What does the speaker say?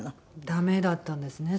ダメだったんですね